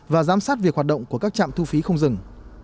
và giám sát việc hoạt động của các trạm thu phí không dừng